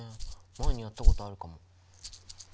前にやったことあるかも。